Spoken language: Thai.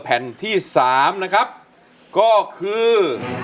แผ่นที่๓นะครับก็คือ